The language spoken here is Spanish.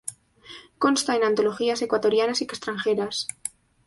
Consta en antologías ecuatorianas y extranjeras.